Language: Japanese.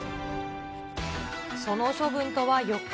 その処分とは、４日。